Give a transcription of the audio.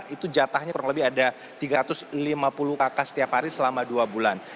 itu jatahnya kurang lebih ada tiga ratus lima puluh kakak setiap hari selama dua bulan